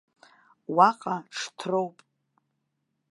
Уаҟа ҽҭроуп.